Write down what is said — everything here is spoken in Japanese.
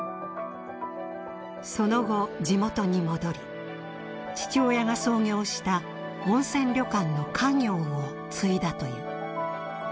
その後地元に戻り父親が創業した温泉旅館の家業を継いだという。